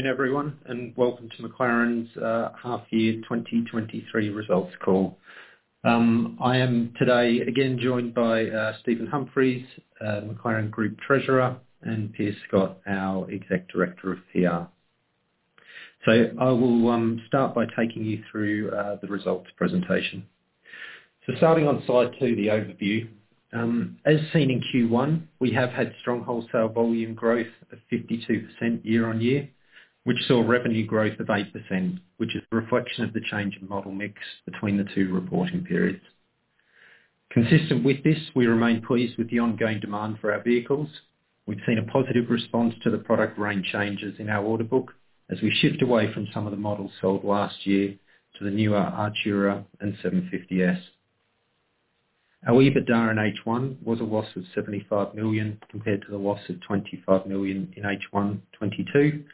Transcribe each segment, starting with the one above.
Good evening, everyone, and welcome to McLaren's half year 2023 results call. I am today again joined by Stephen Humphreys, McLaren Group Treasurer, and Piers Scott, our Executive Director of PR. I will start by taking you through the results presentation. Starting on slide two, the overview. As seen in Q1, we have had strong wholesale volume growth of 52% year-on-year, which saw revenue growth of 8%, which is a reflection of the change in model mix between the two reporting periods. Consistent with this, we remain pleased with the ongoing demand for our vehicles. We've seen a positive response to the product range changes in our order book as we shift away from some of the models sold last year to the newer Artura and 750S. Our EBITDA in H1 was a loss of $75 million, compared to the loss of $25 million in H1 2022,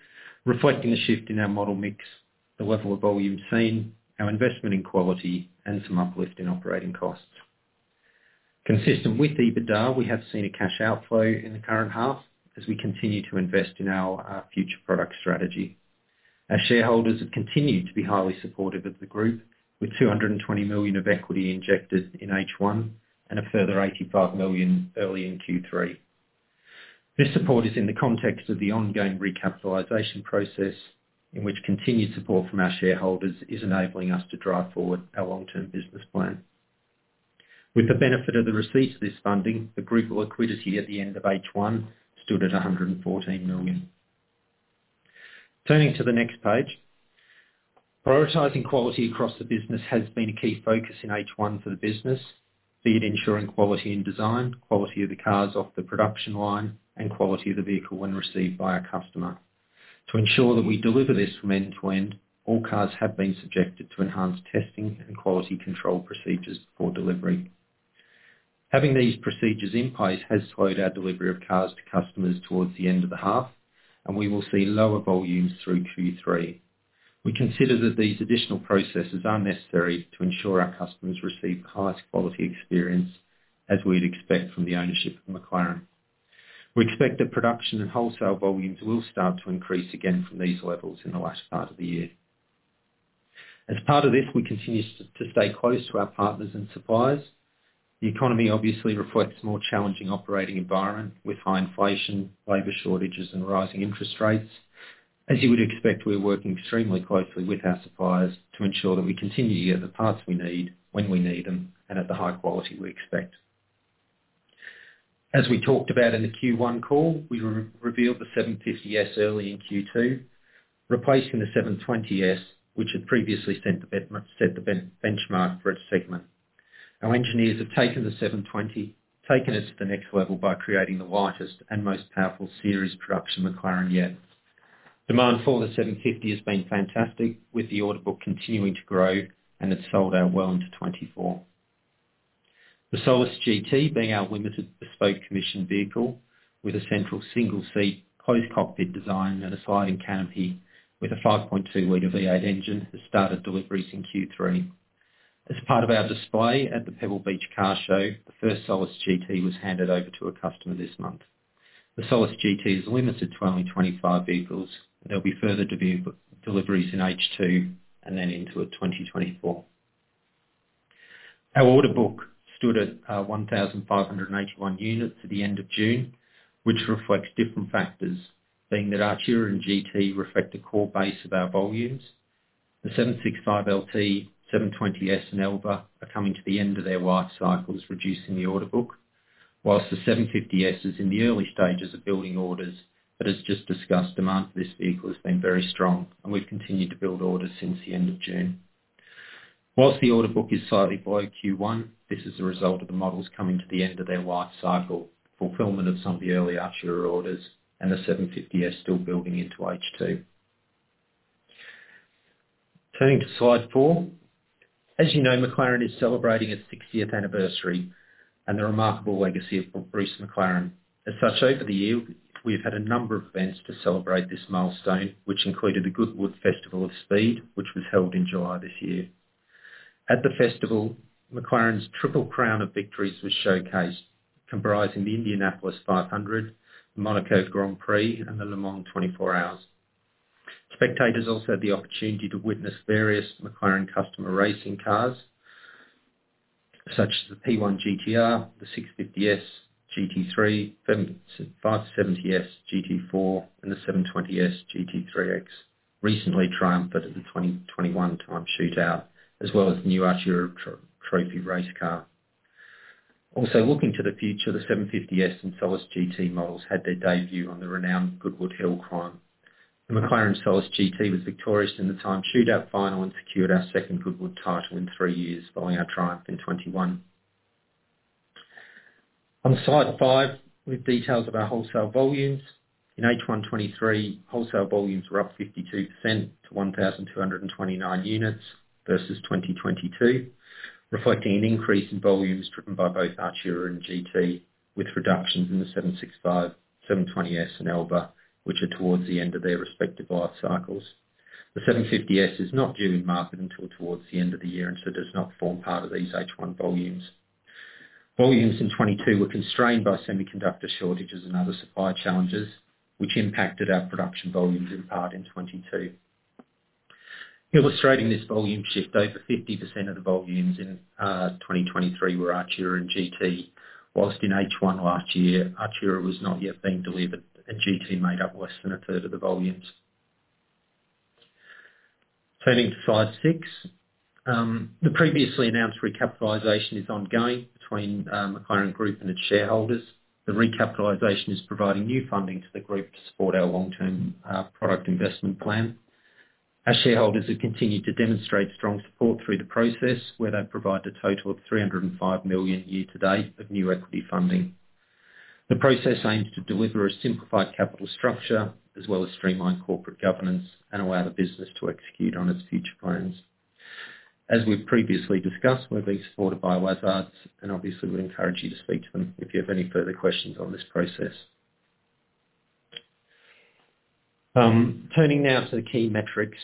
reflecting a shift in our model mix, the level of volume seen, our investment in quality, and some uplift in operating costs. Consistent with EBITDA, we have seen a cash outflow in the current half as we continue to invest in our future product strategy. Our shareholders have continued to be highly supportive of the group, with $220 million of equity injected in H1, and a further $85 million early in Q3. This support is in the context of the ongoing recapitalization process, in which continued support from our shareholders is enabling us to drive forward our long-term business plan. With the benefit of the receipt of this funding, the group liquidity at the end of H1 stood at $114 million. Turning to the next page. Prioritizing quality across the business has been a key focus in H1 for the business, be it ensuring quality in design, quality of the cars off the production line, and quality of the vehicle when received by our customer. To ensure that we deliver this from end to end, all cars have been subjected to enhanced testing and quality control procedures before delivery. Having these procedures in place has slowed our delivery of cars to customers towards the end of the half, and we will see lower volumes through Q3. We consider that these additional processes are necessary to ensure our customers receive the highest quality experience, as we'd expect from the ownership of McLaren. We expect that production and wholesale volumes will start to increase again from these levels in the last part of the year. As part of this, we continue to stay close to our partners and suppliers. The economy obviously reflects a more challenging operating environment with high inflation, labor shortages, and rising interest rates. As you would expect, we're working extremely closely with our suppliers to ensure that we continue to get the parts we need, when we need them, and at the high quality we expect. As we talked about in the Q1 call, we re-revealed the 750S early in Q2, replacing the 720S, which had previously set the benchmark for its segment. Our engineers have taken the 720S, taken it to the next level by creating the lightest and most powerful series production McLaren yet. Demand for the 750S has been fantastic, with the order book continuing to grow, and it's sold out well into 2024. The Solus GT, being our limited bespoke commission vehicle, with a central single seat, closed cockpit design, and a sliding canopy with a 5.2 L V8 engine, has started deliveries in Q3. As part of our display at the Pebble Beach Car Show, the first Solus GT was handed over to a customer this month. The Solus GT is limited to only 25 vehicles. There'll be further deliveries in H2, and then into 2024. Our order book stood at 1,581 units at the end of June, which reflects different factors, being that Artura and GT reflect the core base of our volumes. The 765LT, 720S, and Elva are coming to the end of their life cycles, reducing the order book. Whilst the 750S is in the early stages of building orders, as just discussed, demand for this vehicle has been very strong, and we've continued to build orders since the end of June. Whilst the order book is slightly below Q1, this is a result of the models coming to the end of their life cycle, fulfillment of some of the early Artura orders, and the 750S still building into H2. Turning to slide four. As you know, McLaren is celebrating its 60th anniversary and the remarkable legacy of Bruce McLaren. As such, over the year, we've had a number of events to celebrate this milestone, which included the Goodwood Festival of Speed, which was held in July this year. At the festival, McLaren's Triple Crown of victories was showcased, comprising the Indianapolis 500, Monaco Grand Prix, and the 24 Hours of Le Mans. Spectators also had the opportunity to witness various McLaren customer racing cars, such as the P1 GTR, the 650S GT3, 570S GT4, and the 720S GT3X, recently triumphed at the 2021 Timed Shootout, as well as the new Artura Trophy race car. Also, looking to the future, the 750S and Solus GT models had their debut on the renowned Goodwood Hill Climb. The McLaren Solus GT was victorious in the Timed Shootout final, and secured our second Goodwood title in three years, following our triumph in 2021. On slide five, with details of our wholesale volumes. In H1 2023, wholesale volumes were up 52% to 1,229 units versus 2022, reflecting an increase in volumes driven by both Artura and GT, with reductions in the 765, 720S, and Elva, which are towards the end of their respective life cycles. The 750S is not due in market until towards the end of the year, does not form part of these H1 volumes. Volumes in 2022 were constrained by semiconductor shortages and other supply challenges, which impacted our production volumes in part in 2022. Illustrating this volume shift, over 50% of the volumes in 2023 were Artura and GT. Whilst in H1 last year, Artura was not yet being delivered, GT made up less than a third of the volumes. Turning to slide six, the previously announced recapitalization is ongoing between McLaren Group and its shareholders. The recapitalization is providing new funding to the group to support our long-term product investment plan. Our shareholders have continued to demonstrate strong support through the process, where they've provided a total of 305 million year to date of new equity funding. The process aims to deliver a simplified capital structure, as well as streamline corporate governance and allow the business to execute on its future plans. As we've previously discussed, we're being supported by Lazard, and obviously we encourage you to speak to them if you have any further questions on this process. Turning now to the key metrics.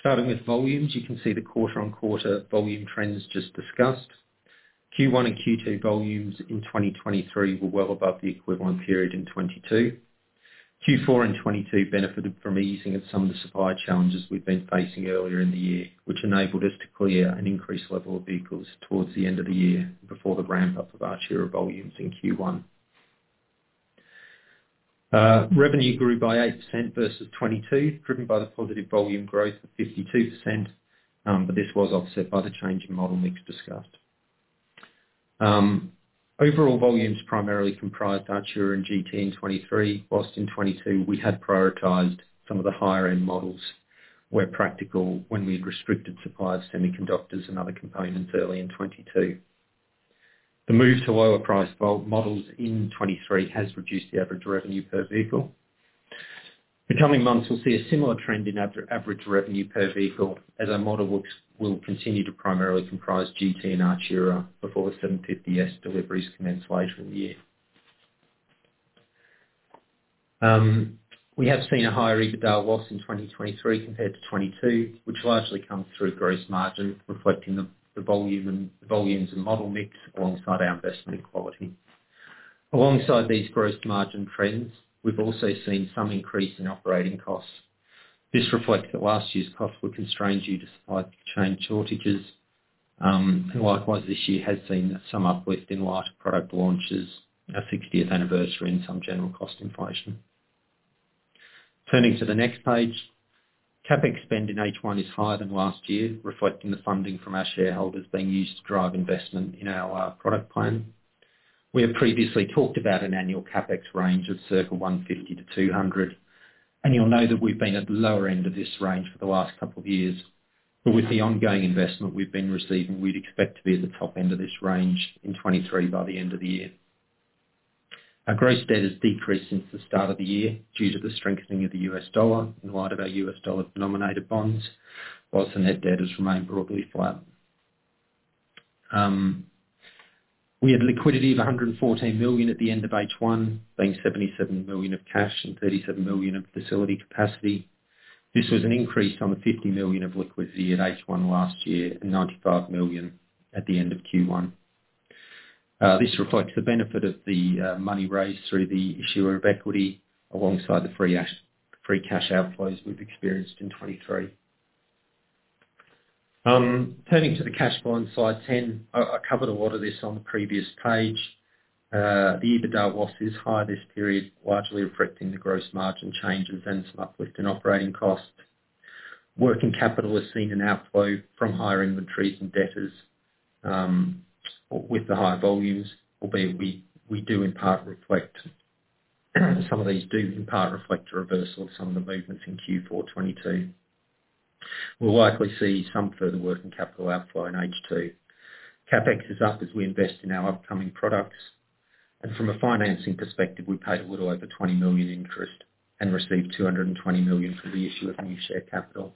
Starting with volumes, you can see the quarter-on-quarter volume trends just discussed. Q1 and Q2 volumes in 2023 were well above the equivalent period in 2022. Q4 in 2022 benefited from easing of some of the supply challenges we'd been facing earlier in the year, which enabled us to clear an increased level of vehicles towards the end of the year before the ramp-up of Artura volumes in Q1. Revenue grew by 8% versus 2022, driven by the positive volume growth of 52%, but this was offset by the change in model mix discussed. Overall volumes primarily comprised Artura and GT in 2023, whilst in 2022, we had prioritized some of the higher end models, where practical, when we had restricted supply of semiconductors and other components early in 2022. The move to lower priced models in 2023 has reduced the average revenue per vehicle. The coming months will see a similar trend in average revenue per vehicle, as our model will continue to primarily comprise GT and Artura before the 750S deliveries commence later in the year. We have seen a higher EBITDA loss in 2023 compared to 2022, which largely comes through gross margin, reflecting the, the volume and, volumes and model mix alongside our investment quality. Alongside these gross margin trends, we've also seen some increase in operating costs. This reflects that last year's costs were constrained due to supply chain shortages, and likewise, this year has seen some uplift in light of product launches, our 60th anniversary, and some general cost inflation. Turning to the next page, CapEx spend in H1 is higher than last year, reflecting the funding from our shareholders being used to drive investment in our product plan. We have previously talked about an annual CapEx range of circa $150 million-$200 million, you'll know that we've been at the lower end of this range for the last couple of years. With the ongoing investment we've been receiving, we'd expect to be at the top end of this range in 2023 by the end of the year. Our gross debt has decreased since the start of the year due to the strengthening of the U.S. dollar in light of our U.S. dollar denominated bonds, whilst the net debt has remained broadly flat. We had liquidity of $114 million at the end of H1, being $77 million of cash and $37 million of facility capacity. This was an increase on the $50 million of liquidity at H1 last year and $95 million at the end of Q1. This reflects the benefit of the money raised through the issuer of equity, alongside the free cash outflows we've experienced in 2023. Turning to the cash flow on slide 10, I, I covered a lot of this on the previous page. The EBITDA loss is high this period, largely reflecting the gross margin changes and some uplift in operating costs. Working capital has seen an outflow from higher inventories and debtors, with the higher volumes, albeit we, we do in part reflect, some of these do in part reflect a reversal of some of the movements in Q4 2022. We'll likely see some further working capital outflow in H2. CapEx is up as we invest in our upcoming products. From a financing perspective, we paid a little over 20 million in interest and received 220 million for the issue of new share capital.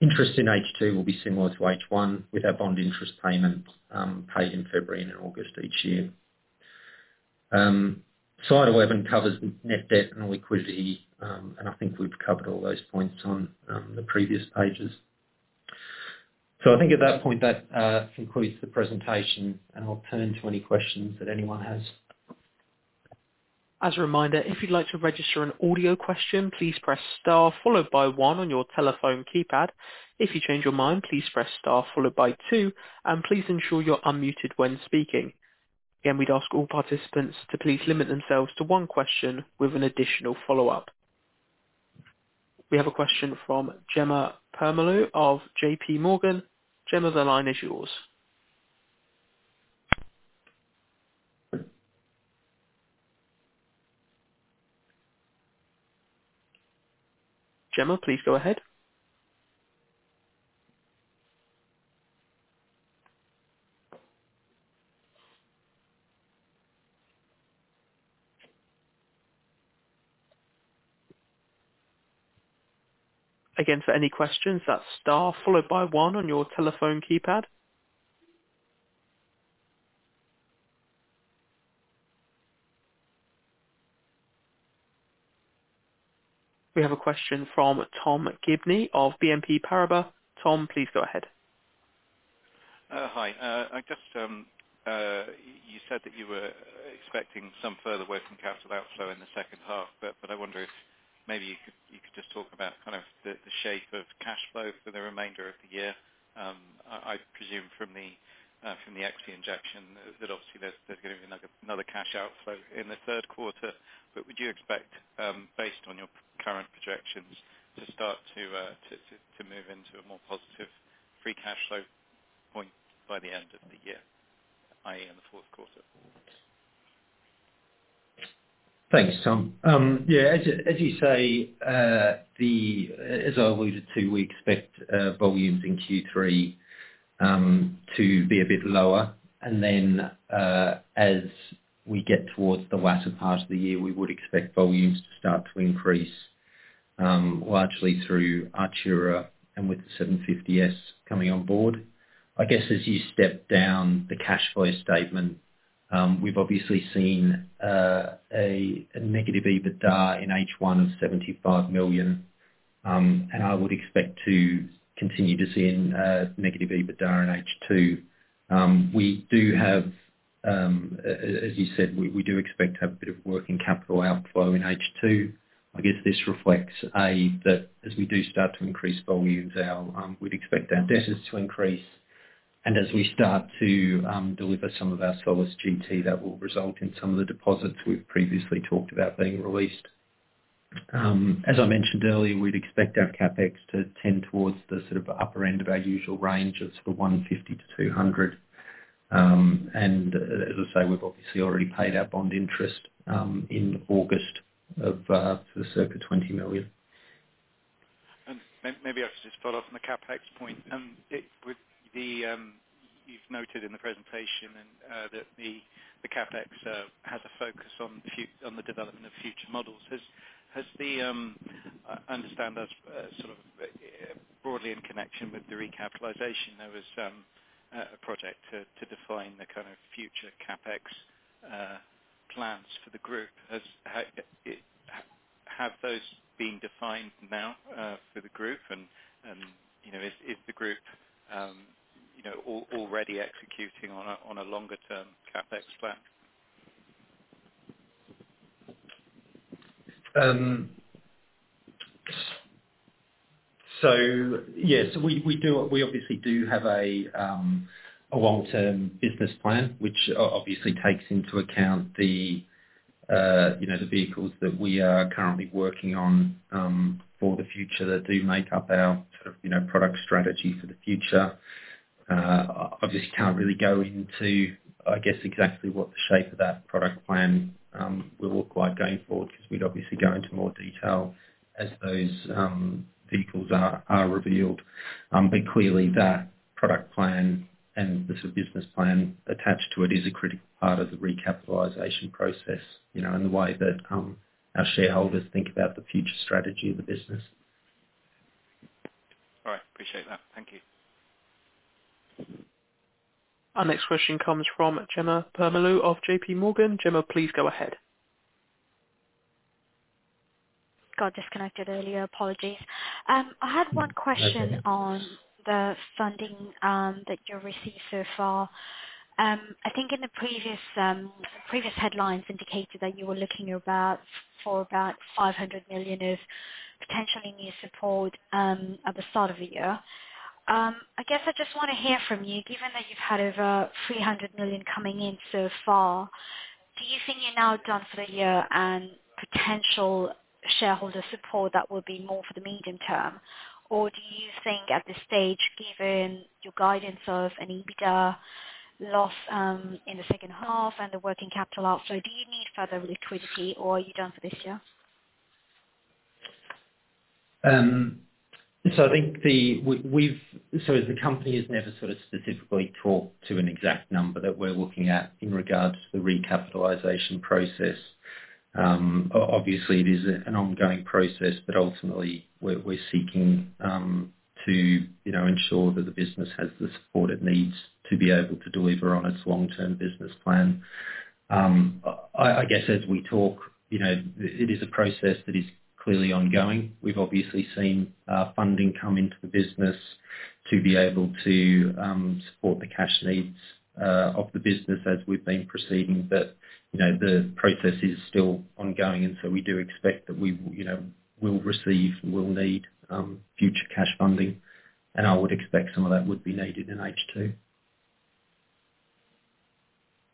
Interest in H2 will be similar to H1, with our bond interest payment paid in February and in August each year. Slide 11 covers net debt and liquidity. I think we've covered all those points on the previous pages. I think at that point, that concludes the presentation, and I'll turn to any questions that anyone has. As a reminder, if you'd like to register an audio question, please press Star followed by One on your telephone keypad. If you change your mind, please press Star followed by Two, and please ensure you're unmuted when speaking. Again, we'd ask all participants to please limit themselves to one question with an additional follow-up. We have a question from Jemma Permalloo of JP Morgan. Gemma, the line is yours. Gemma, please go ahead. Again, for any questions, that's Star followed by One on your telephone keypad. We have a question from Tom Gibney of BNP Paribas. Tom, please go ahead. I just, you said that you were expecting some further working capital outflow in the second half, but I wonder if maybe you could just talk about kind of the shape of cash flow for the remainder of the year. I presume from the equity injection, that obviously there's gonna be another cash outflow in the third quarter. Would you expect, based on your current projections, to start to move into a more positive free cash flow point by the end of the year, i.e., in the fourth quarter? Thanks, Tom. Yeah, as, as you say, the, as I alluded to, we expect volumes in Q3 to be a bit lower. As we get towards the latter part of the year, we would expect volumes to start to increase, largely through Artura and with the 750S coming on board. I guess, as you step down the cash flow statement, we've obviously seen a negative EBITDA in H1 of $75 million. I would expect to continue to see a negative EBITDA in H2. We do have, as you said, we do expect to have a bit of working capital outflow in H2. I guess this reflects, A, that as we do start to increase volumes, our. We'd expect our debtors to increase. As we start to deliver some of our Solus GT, that will result in some of the deposits we've previously talked about being released. As I mentioned earlier, we'd expect our CapEx to tend towards the sort of upper end of our usual range of 150 million-200 million. As I say, we've obviously already paid our bond interest in August of the circa 20 million. Maybe I could just follow up on the CapEx point. With the, you've noted in the presentation that the CapEx has a focus on the development of future models. Has, has the, I understand that's sort of broadly in connection with the recapitalization, there was a project to define the kind of future CapEx plans for the group. Has it, have those been defined now for the group? You know, is, is the group, you know, already executing on a longer term CapEx plan? Yes, we, we do, we obviously do have a, a long-term business plan, which obviously takes into account the, you know, the vehicles that we are currently working on, for the future, that do make up our sort of, you know, product strategy for the future. I obviously can't really go into, I guess, exactly what the shape of that product plan, will look like going forward, because we'd obviously go into more detail as those, vehicles are, are revealed. Clearly that product plan, and the business plan attached to it, is a critical part of the recapitalization process, you know, in the way that, our shareholders think about the future strategy of the business. All right. Appreciate that. Thank you. Our next question comes from Jemma Permalloo of JP Morgan. Gemma, please go ahead. Got disconnected earlier. Apologies. I had one question. Hi, Jemma. on the funding that you've received so far. I think in the previous, previous headlines indicated that you were looking about, for about $500 million of potentially new support, at the start of the year. I guess I just wanna hear from you, given that you've had over $300 million coming in so far, do you think you're now done for the year and potential shareholder support, that will be more for the medium term? Or do you think, at this stage, given your guidance of an EBITDA loss in H2 and the working capital outflow, do you need further liquidity or are you done for this year? I think the company has never sort of specifically talked to an exact number that we're looking at in regards to the recapitalization process. Obviously, it is an ongoing process, but ultimately, we're seeking to, you know, ensure that the business has the support it needs to be able to deliver on its long-term business plan. I guess as we talk, you know, it is a process that is clearly ongoing. We've obviously seen funding come into the business to be able to support the cash needs of the business as we've been proceeding. You know, the process is still ongoing, we do expect that we will, you know, will receive, will need future cash funding, and I would expect some of that would be needed in H2.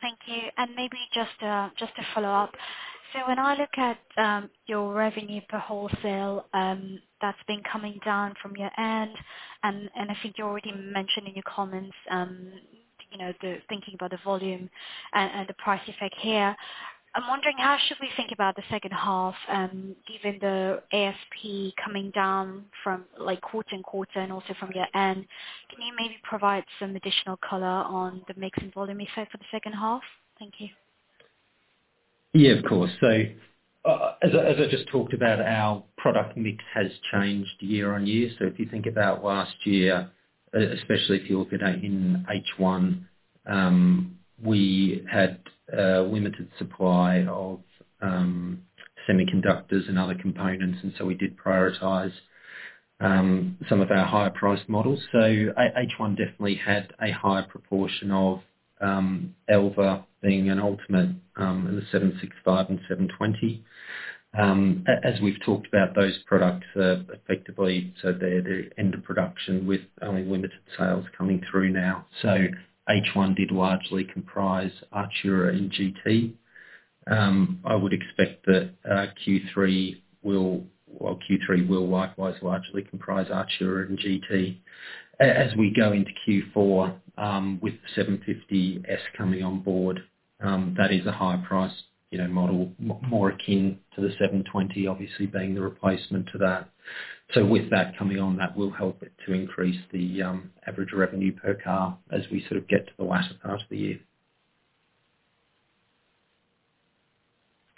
Thank you. Maybe just a, just a follow-up. When I look at your revenue per wholesale, that's been coming down from your end, I think you already mentioned in your comments, you know, the thinking about the volume and the price effect here. I'm wondering, how should we think about the H2, given the ASP coming down from, like, quarter-on-quarter and also from your end? Can you maybe provide some additional color on the mix and volume effect for the H2? Thank you. Yeah, of course. As I, as I just talked about, our product mix has changed year on year. If you think about last year, especially if you look at it in H1, we had limited supply of semiconductors and other components, and so we did prioritize some of our higher priced models. H1 definitely had a higher proportion of Elva being an ultimate, in the 765 and 720. As we've talked about, those products are effectively, so they're the end of production with only limited sales coming through now. H1 did largely comprise Artura and GT. I would expect that Q3 will likewise largely comprise Artura and GT. As we go into Q4, with the 750S coming on board, that is a higher price, you know, model, more akin to the 720S, obviously being the replacement to that. With that coming on, that will help it to increase the average revenue per car as we sort of get to the last part of the year.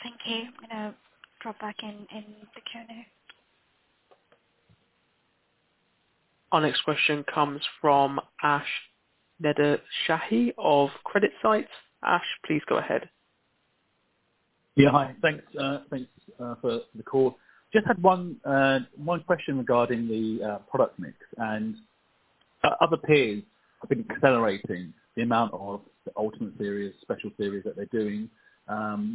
Thank you. I'm gonna drop back in, in the Q&A. Our next question comes from Ash Nadershahi of CreditSights. Ash, please go ahead. Yeah, hi. Thanks, thanks, for, for the call. Just had one, one question regarding the product mix, and other peers have been accelerating the amount of Ultimate Series, Special Series that they're doing,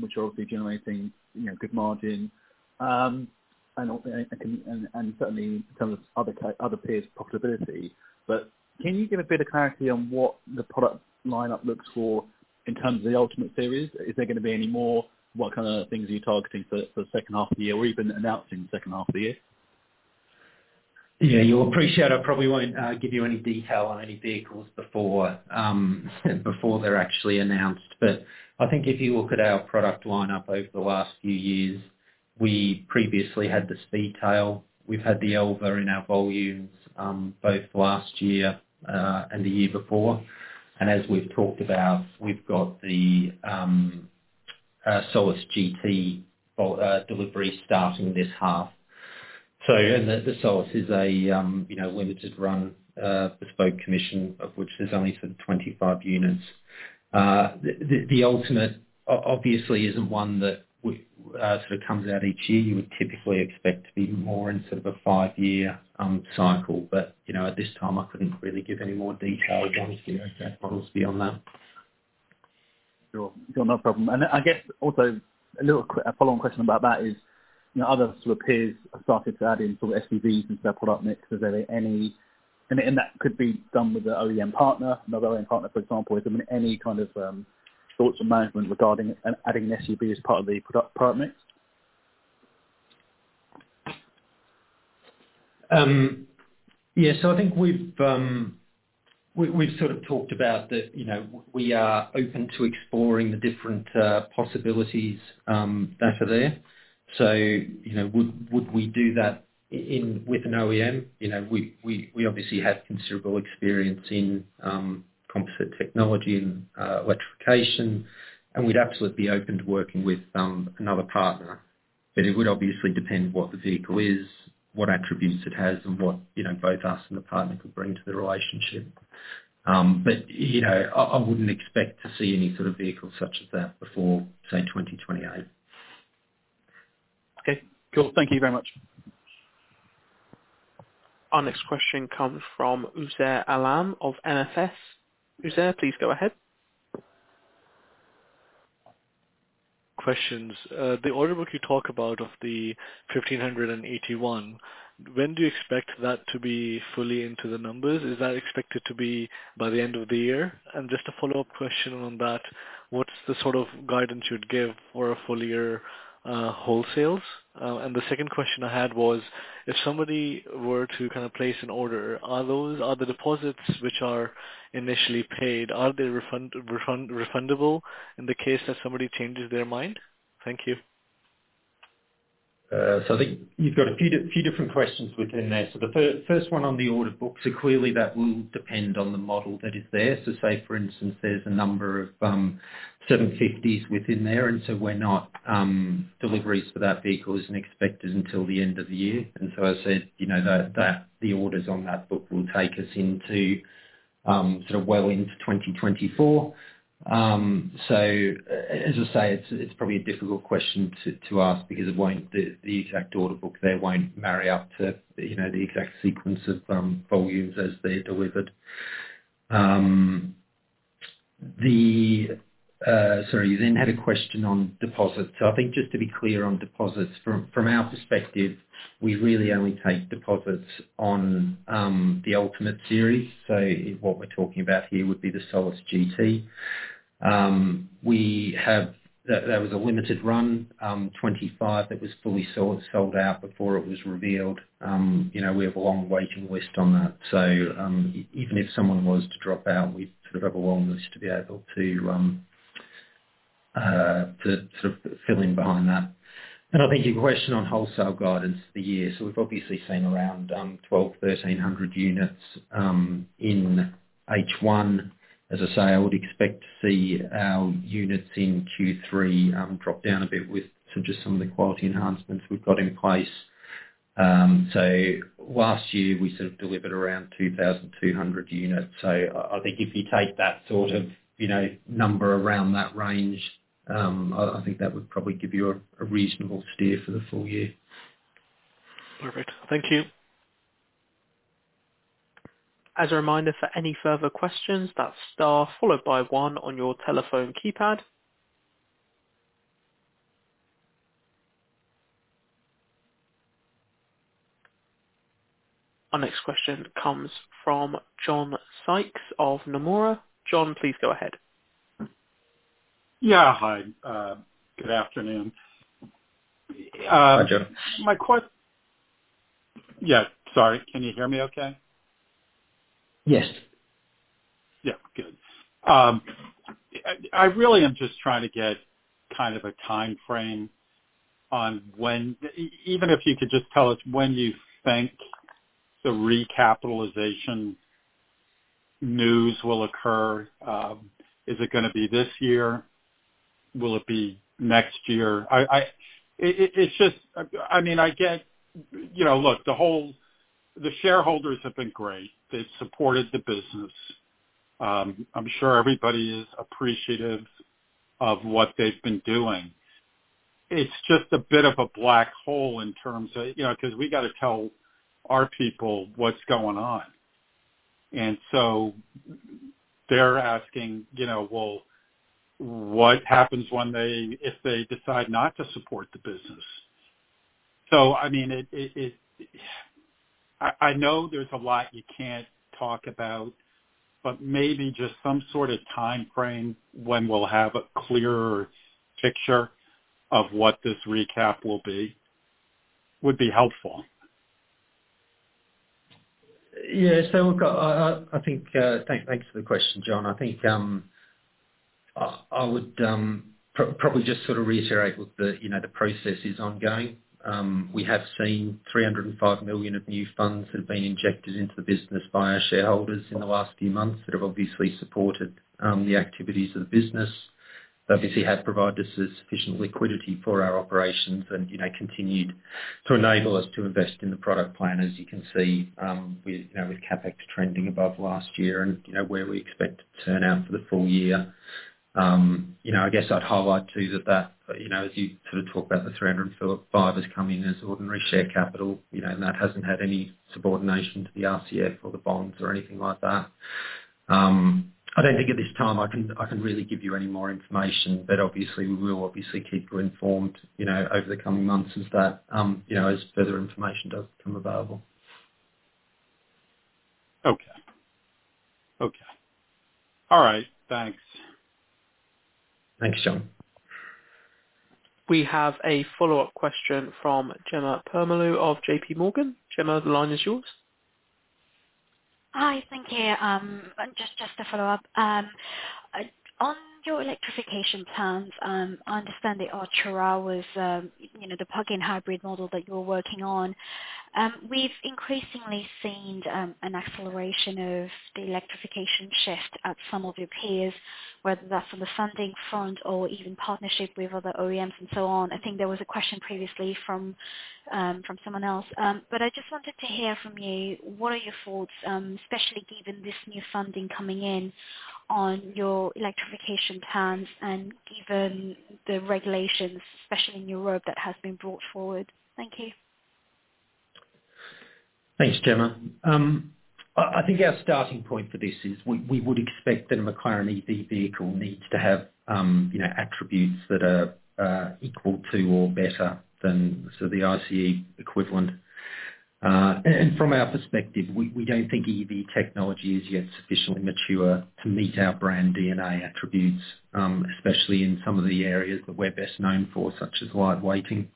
which are obviously generating, you know, good margin. Certainly in terms of other peers' profitability. Can you give a bit of clarity on what the product lineup looks for in terms of the Ultimate Series? Is there gonna be any more? What kind of things are you targeting for, for the second half of the year, or even announcing the second half of the year? Yeah, you'll appreciate, I probably won't give you any detail on any vehicles before before they're actually announced. I think if you look at our product lineup over the last few years, we previously had the Speedtail. We've had the Elva in our volumes, both last year and the year before, and as we've talked about, we've got the Solus GT delivery starting this half. The Solus is a, you know, limited run, bespoke commission, of which there's only sort of 25 units. The Ultimate obviously isn't one that sort of comes out each year. You would typically expect to be more in sort of a five-year cycle. You know, at this time, I couldn't really give any more detail on the exact models beyond that. Sure. Sure, no problem. I guess, also a little a follow-on question about that is, you know, other sort of peers have started to add in sort of SUVs into their product mix. Is there any... That could be done with the OEM partner, another OEM partner, for example. Is there any kind of thoughts of management regarding adding an SUV as part of the product, product mix? Yeah, I think we've, we've, we've sort of talked about that, you know, we are open to exploring the different possibilities that are there. You know, would, would we do that in with an OEM? You know, we, we, we obviously have considerable experience in composite technology and electrification, and we'd absolutely be open to working with another partner. It would obviously depend what the vehicle is, what attributes it has, and what, you know, both us and the partner could bring to the relationship. You know, I, I wouldn't expect to see any sort of vehicles such as that before, say, 2028. Okay, cool. Thank you very much. Our next question comes from Uzair Alam of MFS. Uzair, please go ahead. Questions. The order book you talk about of the 1,581, when do you expect that to be fully into the numbers? Is that expected to be by the end of the year? Just a follow-up question on that, what's the sort of guidance you'd give for a full year wholesales? The second question I had was, if somebody were to kind of place an order, are the deposits, which are initially paid, are they refundable in the case that somebody changes their mind? Thank you. I think you've got a few different questions within there. The first one on the order book, so clearly that will depend on the model that is there. Say, for instance, there's a number of 750S within there, deliveries for that vehicle isn't expected until the end of the year. I said, you know, the orders on that book will take us into sort of well into 2024. As I say, it's, it's probably a difficult question to ask because the exact order book there won't marry up to, you know, the exact sequence of volumes as they're delivered. Sorry, you had a question on deposits. I think just to be clear on deposits, from, from our perspective, we really only take deposits on the Ultimate Series. What we're talking about here would be the Solus GT. We have-That, that was a limited run, 25, that was fully sold, sold out before it was revealed. You know, we have a long waiting list on that. Even if someone was to drop out, we'd sort of have a long list to be able to to sort of fill in behind that. I think your question on wholesale guidance for the year. We've obviously seen around 1,200, 1,300 units in H1. As I say, I would expect to see our units in Q3 drop down a bit with sort of just some of the quality enhancements we've got in place. Last year, we sort of delivered around 2,200 units. I think if you take that sort of, you know, number around that range. I think that would probably give you a, a reasonable steer for the full year. Perfect. Thank you. As a reminder for any further questions, that's star followed by one on your telephone keypad. Our next question comes from John Sykes of Nomura. John, please go ahead. Yeah, hi. good afternoon. Hi, John. My ques- yeah, sorry. Can you hear me okay? Yes. Yeah. Good. I, I really am just trying to get kind of a timeframe on when, even if you could just tell us when you think the recapitalization news will occur. Is it gonna be this year? Will it be next year? It's just. I mean, I get. You know, look, the whole, the shareholders have been great. They've supported the business. I'm sure everybody is appreciative of what they've been doing. It's just a bit of a black hole in terms of, you know, 'cause we gotta tell our people what's going on. They're asking, you know, well, what happens when they, if they decide not to support the business? I mean, it, it, it, I, I know there's a lot you can't talk about, but maybe just some sort of timeframe when we'll have a clearer picture of what this recap will be, would be helpful. Look, I, I, I think, thank, thanks for the question, John. I think, I, I would probably just sort of reiterate, look, the, you know, the process is ongoing. We have seen $305 million of new funds that have been injected into the business by our shareholders in the last few months, that have obviously supported the activities of the business. They obviously have provided us with sufficient liquidity for our operations and, you know, continued to enable us to invest in the product plan, as you can see, with, you know, with CapEx trending above last year, and, you know, where we expect to turn out for the full year. You know, I guess I'd highlight, too, that, that, you know, as you sort of talk about the $304.5 has come in as ordinary share capital, you know, and that hasn't had any subordination to the RCF or the bonds or anything like that. I don't think at this time I can, I can really give you any more information, but obviously, we will obviously keep you informed, you know, over the coming months as that, you know, as further information does become available. Okay. Okay. All right, thanks. Thanks, John. We have a follow-up question from Jemma Permalloo of JP Morgan. Gemma, the line is yours. Hi, thank you. Just, just to follow up on your electrification plans, I understand the Artura was, you know, the plug-in hybrid model that you're working on. We've increasingly seen an acceleration of the electrification shift at some of your peers, whether that's from a funding front or even partnership with other OEMs and so on. I think there was a question previously from someone else. I just wanted to hear from you, what are your thoughts, especially given this new funding coming in, on your electrification plans, and given the regulations, especially in Europe, that have been brought forward? Thank you. Thanks, Jemma. I, I think our starting point for this is we, we would expect that a McLaren EV vehicle needs to have, you know, attributes that are equal to or better than, so the ICE equivalent. From our perspective, we, we don't think EV technology is yet sufficiently mature to meet our brand DNA attributes, especially in some of the areas that we're best known for, such as light weighting.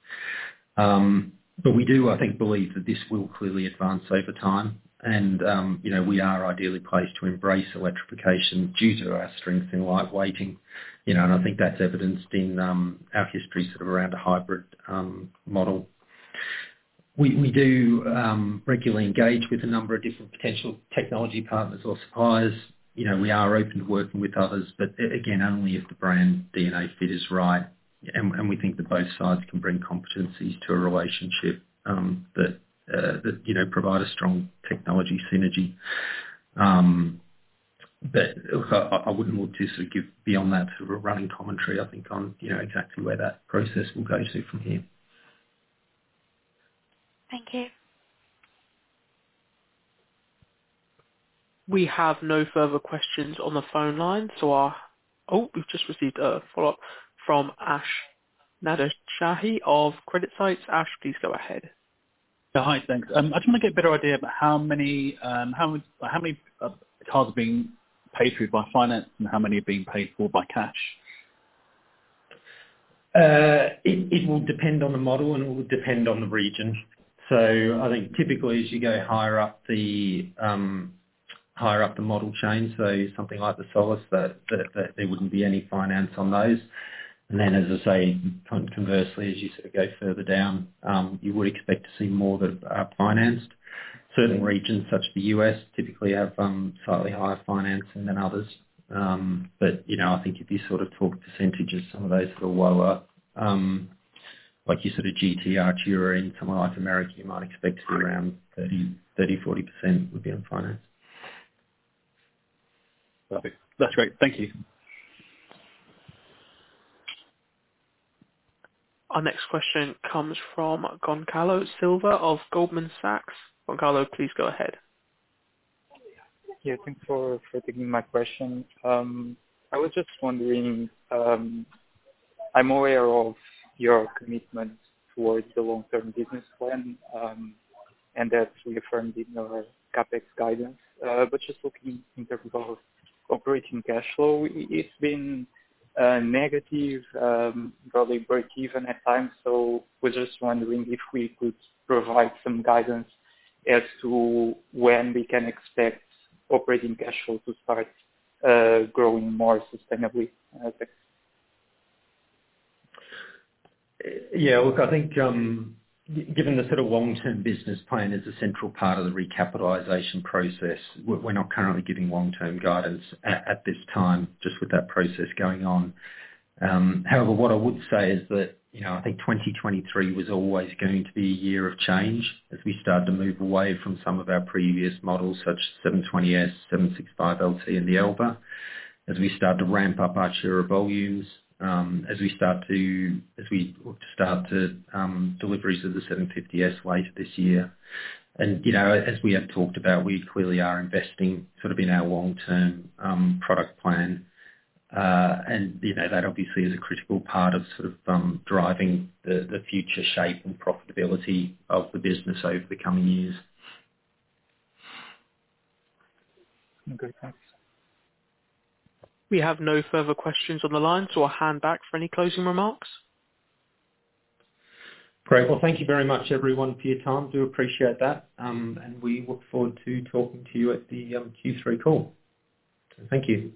We do, I think, believe that this will clearly advance over time, and, you know, we are ideally placed to embrace electrification due to our strength in light weighting. You know, and I think that's evidenced in our history sort of around the hybrid model. We, we do regularly engage with a number of different potential technology partners or suppliers. You know, we are open to working with others, but again, only if the brand DNA fit is right, and, and we think that both sides can bring competencies to a relationship, that, that, you know, provide a strong technology synergy. look, I, I wouldn't want to sort of give beyond that, sort of, a running commentary, I think, on, you know, exactly where that process will go to from here. Thank you. We have no further questions on the phone line. Oh, we've just received a follow-up from Ash Nadershahi of CreditSights. Ash, please go ahead. Hi. Thanks. I just want to get a better idea about how many, how, how many cars are being paid through by finance, and how many are being paid for by cash? It, it will depend on the model, and it will depend on the region. I think typically, as you go higher up the higher up the model chain, so something like the Solus, that, that, there wouldn't be any finance on those. Then, as I say, kind of conversely, as you sort of go further down, you would expect to see more that are financed. Certain regions, such as the US, typically have slightly higher financing than others. You know, I think if you sort of talk percentages, some of those are lower. Like you said, a GTR, Artura, and somewhere like America, you might expect to be around 30%, 30%, 40% would be on finance. Perfect. That's great. Thank you. Our next question comes from Goncalo Silva of Goldman Sachs. Goncalo, please go ahead. Yeah, thanks for, for taking my question. I was just wondering, I'm aware of your commitment towards the long-term business plan, and that's reaffirmed in our CapEx guidance. But just looking in terms of operating cash flow, it's been negative, probably breakeven at times. We're just wondering if we could provide some guidance as to when we can expect operating cash flow to start growing more sustainably, thanks? Yeah, look, I think, given the sort of long-term business plan is a central part of the recapitalization process, we're not currently giving long-term guidance at, at this time, just with that process going on. However, what I would say is that, you know, I think 2023 was always going to be a year of change, as we start to move away from some of our previous models, such as 720S, 765LT, and the Elva. As we start to ramp up our sheer volumes, as we start to, as we look to start to deliveries of the 750S late this year. you know, as we have talked about, we clearly are investing sort of in our long-term product plan. You know, that obviously is a critical part of sort of, driving the, the future shape and profitability of the business over the coming years. Okay, thanks. We have no further questions on the line, so I'll hand back for any closing remarks. Great. Well, thank you very much everyone, for your time. Do appreciate that, and we look forward to talking to you at the Q3 call. Thank you.